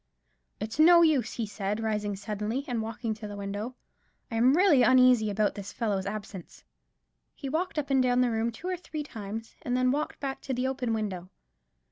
"It's no use," he said, rising suddenly, and walking to the window; "I am really uneasy about this fellow's absence." He walked up and down the room two or three times, and then walked back to the open window.